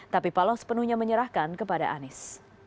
tapi paloh sepenuhnya menyerahkan kepada anies